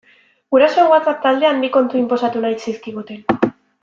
Gurasoen WhatsApp taldean bi kontu inposatu nahi zizkiguten.